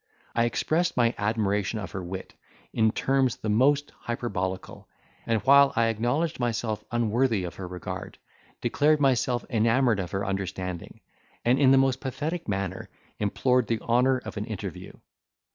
I expressed my admiration of her wit in terms the most hyperbolical, and while I acknowledged myself unworthy of her regard, declared myself enamoured of her understanding; and in the most pathetic manner implored the honour of an interview.